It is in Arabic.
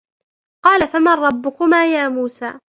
قَالَ فَمَنْ رَبُّكُمَا يَا مُوسَى